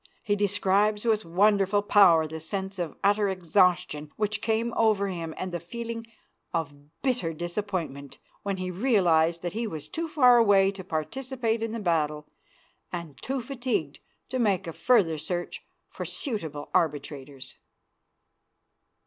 He describes with wonderful power the sense of utter exhaustion which came over him and the feeling of bitter disappointment when he realized that he was too far away to participate in the battle and too fatigued to make a further search for suitable arbitrators.